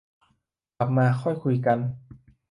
กลับมาค่อยคุยกัน